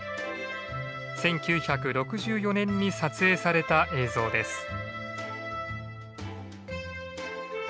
１９６４年に撮影された映像です。